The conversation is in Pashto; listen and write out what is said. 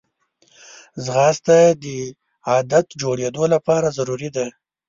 ځغاسته د عادت جوړېدو لپاره ضروري ده